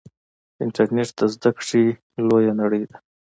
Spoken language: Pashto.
انټرنیټ د زده کړې لویه نړۍ ده.